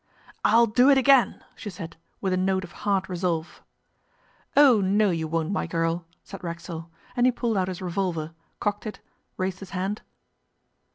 'I'll do it again,' she said, with a note of hard resolve. 'Oh, no, you won't, my girl,' said Racksole; and he pulled out his revolver, cocked it, raised his hand.